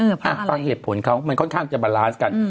เออเพราะอะไรฟังเหตุผลเขามันค่อนข้างจะบัลลานซ์กัน